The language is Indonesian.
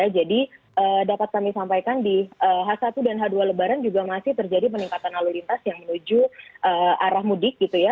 dapat kami sampaikan di h satu dan h dua lebaran juga masih terjadi peningkatan lalu lintas yang menuju arah mudik gitu ya